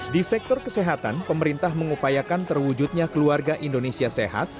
di sektor kesehatan pemerintah mengupayakan terwujudnya keluarga indonesia sehat